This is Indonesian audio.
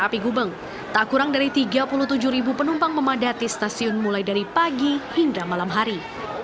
di gubeng tak kurang dari tiga puluh tujuh ribu penumpang memadati stasiun mulai dari pagi hingga malam hari